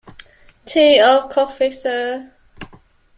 Tea or coffee, Sir?